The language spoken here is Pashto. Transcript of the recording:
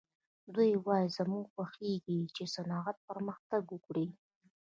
دوی وايي زموږ خوښېږي چې صنعت پرمختګ وکړي